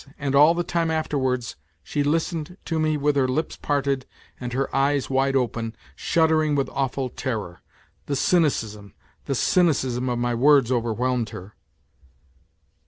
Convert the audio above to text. And all the time afterwards she listened to me with her lips parted and her eyes wide open, shuddering with awful terror. The cynicism, the cynicism of my words over whelmed her.